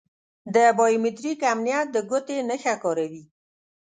د بایو میتریک امنیت د ګوتې نښه کاروي.